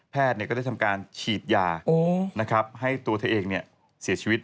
แพทย์ก็ได้ทำการฉีดยานะครับให้ตัวเธอเองเสียชีวิต